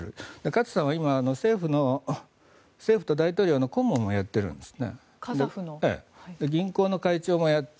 勝さんは今、政府と大統領の顧問をやっているんですね。